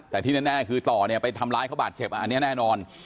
แต่ที่แน่คือต่อเนี่ยไปทำร้ายเขาบาดเจ็บอันนี้แน่นอน